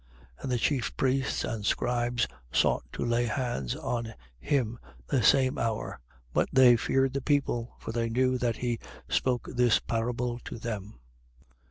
20:19. And the chief priests and the scribes sought to lay hands on him the same hour: but they feared the people, for they knew that he spoke this parable to them.